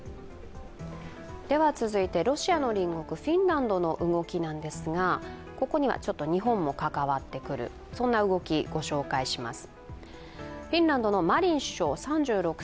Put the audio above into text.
続いてロシアの隣国フィンランドの動きですがここには日本もかかわってくる、そんな動きをご紹介します。